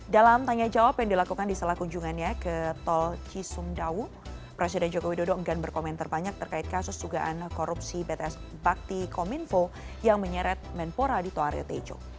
dalam tanya jawab yang dilakukan di salah kunjungannya ke toa kisumdawu presiden jokowi dodo enggan berkomentar banyak terkait kasus sugan korupsi bts bakti kominfo yang menyeret menpora di toa riyo tejo